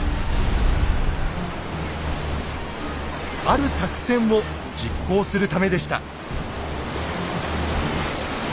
ある作戦を実行するためでした。